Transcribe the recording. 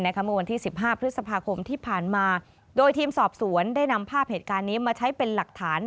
เมื่อวันที่๑๕พฤษภาคมที่ผ่านมาโดยทีมสอบสวนได้นำภาพเหตุการณ์นี้มาใช้เป็นหลักฐาน